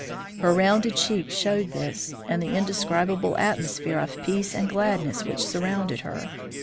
Her rounded cheeks showed this, and the indescribable atmosphere of peace and gladness which surrounded her.